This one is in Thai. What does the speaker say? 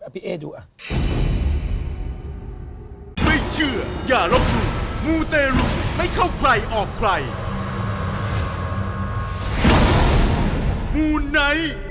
พี่เอ๊ดูอ่ะ